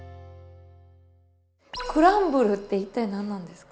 クランブルって一体何ですか？